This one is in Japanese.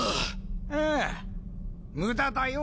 あぁ無駄だよ。